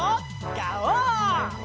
ガオー！